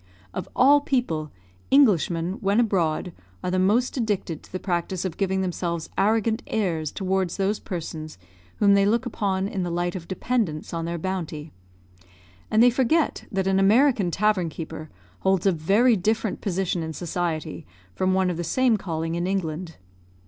Of all people, Englishmen, when abroad, are the most addicted to the practice of giving themselves arrogant airs towards those persons whom they look upon in the light of dependents on their bounty; and they forget that an American tavern keeper holds a very different position in society from one of the same calling in England.